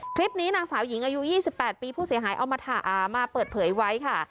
คลิปนี้นางสาวหญิงอายุ๒๘ปีผู้เสียหายเอามาเปิดเผยไว้ค่ะ